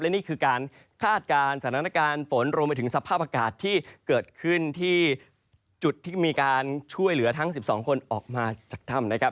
นี่คือการคาดการณ์สถานการณ์ฝนรวมไปถึงสภาพอากาศที่เกิดขึ้นที่จุดที่มีการช่วยเหลือทั้ง๑๒คนออกมาจากถ้ำนะครับ